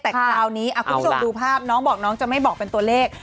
แต่คราวนี้คุณผู้ชมดูภาพน้องบอกน้องจะไม่บอกเป็นตัวเลข